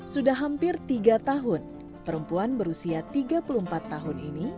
sudah hampir tiga tahun perempuan berusia tiga puluh empat tahun ini